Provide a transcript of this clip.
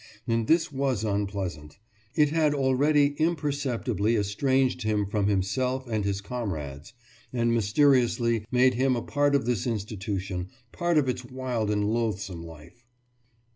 And this was unpleasant; it had already imperceptibly estranged him from himself and his comrades, and mysteriously made him a part of this institution, part of its wild and loathesome life.